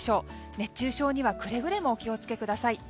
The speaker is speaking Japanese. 熱中症にはくれぐれもお気をつけください。